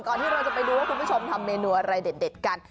ที่เราจะไปดูว่าคุณผู้ชมทำเมนูอะไรเด็ดกัน